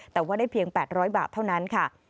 แต่ว่าได้เพียง๘๐๐บาทเท่านั้นค่ะ